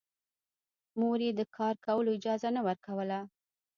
مور يې د کار کولو اجازه نه ورکوله